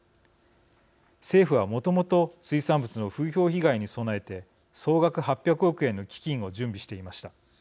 政府はもともと水産物の風評被害に備えて総額８００億円の基金を準備していました。